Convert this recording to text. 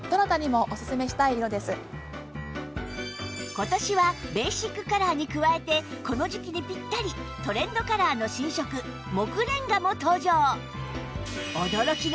今年はベーシックカラーに加えてこの時期にピッタリトレンドカラーの新色杢レンガも登場！